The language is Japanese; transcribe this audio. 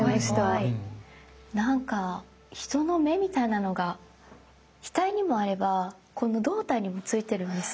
なんか人の目みたいなのが額にもあればこの胴体にもついてるんですよ。